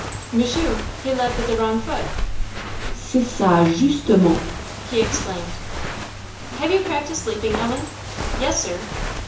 "Monsieur, he led with the wrong foot." "C'est ça justement!" he exclaimed. "Have you practiced leaping, Ellen?" "Yes, Sir."